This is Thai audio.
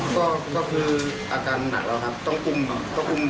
กระทั่งแล้วใครเป็นคนเขียนคำถาม